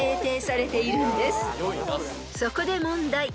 ［そこで問題］